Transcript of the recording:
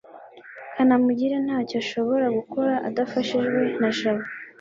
kanamugire ntacyo ashobora gukora adafashijwe na jabo